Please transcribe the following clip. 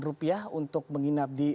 rupiah untuk menginap di